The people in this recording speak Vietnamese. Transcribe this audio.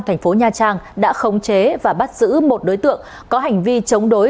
thành phố nha trang đã khống chế và bắt giữ một đối tượng có hành vi chống đối